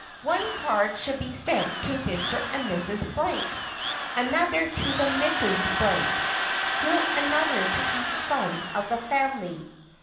One card should be sent to "Mr. and Mrs. Blank"; another to the "Misses Blank," still another to each son of the family.